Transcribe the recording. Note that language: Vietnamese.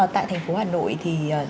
tại thành phố hà nội thì